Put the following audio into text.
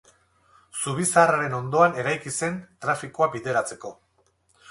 Zubi Zaharraren ondoan eraiki zen, trafikoa bideratzeko.